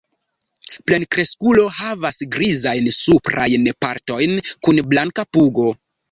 Plenkreskulo havas grizajn suprajn partojn kun blanka pugo.